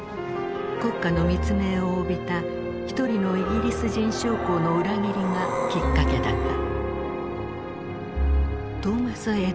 国家の密命を帯びた一人のイギリス人将校の裏切りがきっかけだった。